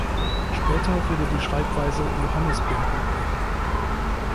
Später wurde die Schreibweise „Johannisberg“ üblich.